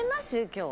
今日。